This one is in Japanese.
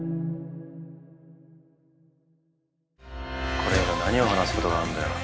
これ以上何を話すことがあんだよ。